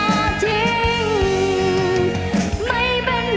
ไม่เป็นไร